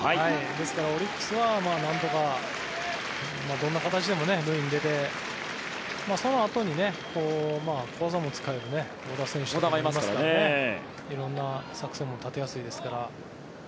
ですから、オリックスはなんとか、どんな形でも塁に出てそのあとに小技も使える小田選手もいますから色んなのも出やすいですから。